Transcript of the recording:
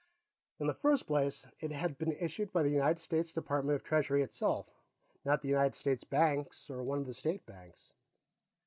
In the first place, it had been issued by the United States Department of Treasury itself, not the United States Bank or one of the State Banks.